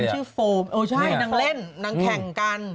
ชื่อโฟมเออใช่นางเล่นนางแข่งกัน